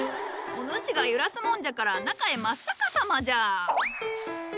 お主が揺らすもんじゃから中へ真っ逆さまじゃ。